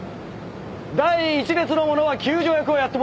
第１列の者は救助役をやってもらう。